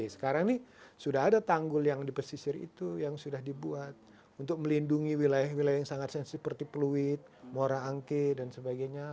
sekarang ini sudah ada tanggul yang di pesisir itu yang sudah dibuat untuk melindungi wilayah wilayah yang sangat sensitif seperti pluit mora angke dan sebagainya